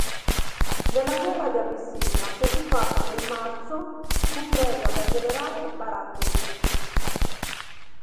Nella guerra di Abissinia fu occupata nel marzo fu presa dal generale Baratieri.